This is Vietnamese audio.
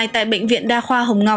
tại bệnh viện đa khoa hồng ngọc